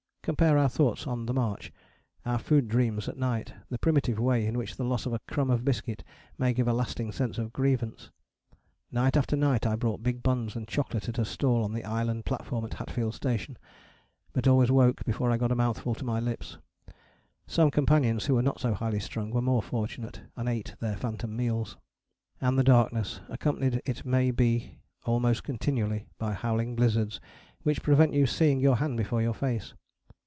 Compare our thoughts on the march; our food dreams at night; the primitive way in which the loss of a crumb of biscuit may give a lasting sense of grievance. Night after night I bought big buns and chocolate at a stall on the island platform at Hatfield station, but always woke before I got a mouthful to my lips; some companions who were not so highly strung were more fortunate, and ate their phantom meals. And the darkness, accompanied it may be almost continually by howling blizzards which prevent you seeing your hand before your face.